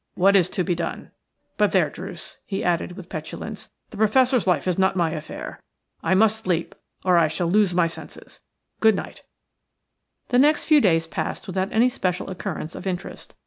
What is to be done? But there, Druce," he added, with petulance, "the Professor's life is not my affair. I must sleep, or I shall lose my senses. Good night, Good night." The next few days passed without any special occurrence of interest.